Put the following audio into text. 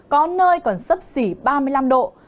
có nơi còn sấp xỉ ba mươi năm độ